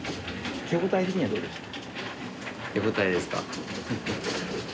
手応え的にはどうでした？